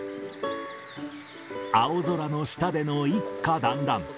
青空の下での一家団らん。